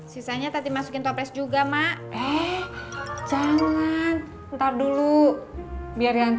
sisanya tati masukin toples juga mak